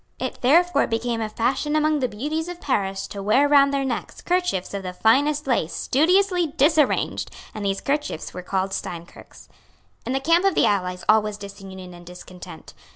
It therefore became a fashion among the beauties of Paris to wear round their necks kerchiefs of the finest lace studiously disarranged; and these kerchiefs were called Steinkirks. In the camp of the allies all was disunion and discontent.